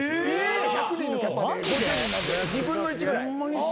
１００人のキャパで５０人なんで２分の１ぐらい。